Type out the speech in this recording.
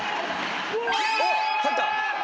おっ入った！